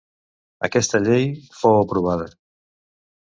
Aquesta llei fou aprovada.